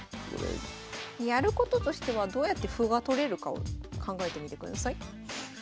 やることとしてはどうやって歩が取れるかを考えてみてください。